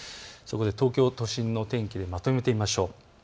東京都心の天気でまとめてみましょう。